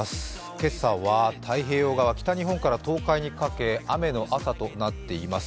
今朝は太平洋側、北日本から東海にかけて雨の朝となっています。